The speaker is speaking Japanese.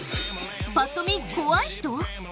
ぱっと見、怖い人？